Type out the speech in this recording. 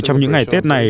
trong những ngày tết này